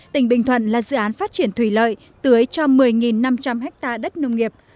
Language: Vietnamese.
tỉnh bình thuận là dự án phát triển thủy lợi tưới cho một mươi năm trăm linh ha đất nông nghiệp